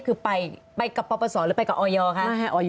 คือไปกับปราภัษฐ์หรือไปกับออยค่ะ